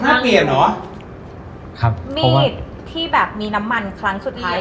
หน้าเปลี่ยนเหรอครับเพราะว่ามีชีวิตที่แบบมีน้ำมันครั้งสุดท้าย